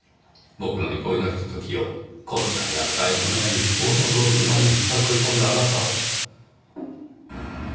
僕の憩いのひとときをこんな益体もない思考の泥沼に誘い込んだあなたを。